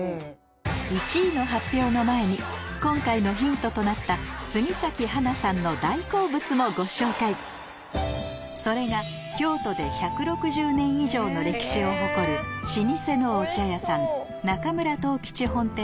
１位の発表の前に今回のヒントとなったそれが京都で１６０年以上の歴史を誇る老舗のお茶屋さん